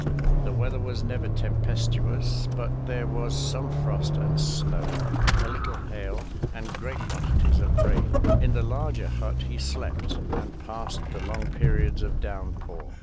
The weather was never tempestuous, but there was some frost and snow, a little hail and great quantities of rain. In the larger hut he slept and passed the long periods of downpour.